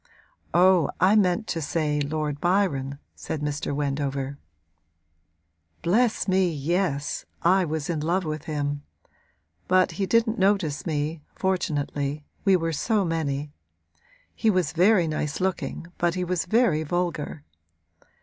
'Oh, I meant to say Lord Byron,' said Mr. Wendover. 'Bless me, yes; I was in love with him. But he didn't notice me, fortunately we were so many. He was very nice looking but he was very vulgar.'